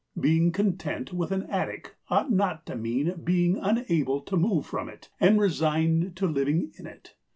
Being content with an attic ought not to mean being unable to move from it and resigned to living in it.